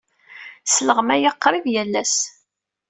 Sleɣmayeɣ qrib yal ass.